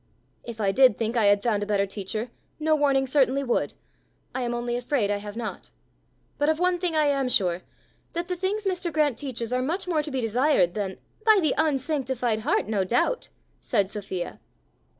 "If I did think I had found a better teacher, no warning certainly would; I am only afraid I have not. But of one thing I am sure that the things Mr. Grant teaches are much more to be desired than " "By the unsanctified heart, no doubt!" said Sophia.